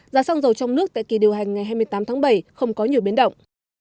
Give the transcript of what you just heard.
giá xăng dầu trong nước tại kỳ điều hành ngày hai mươi tám tháng bảy không có nhiều biến động